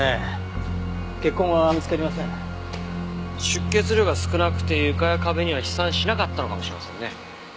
出血量が少なくて床や壁には飛散しなかったのかもしれませんね。